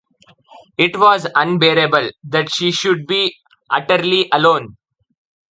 It was unbearable that she should be so utterly alone.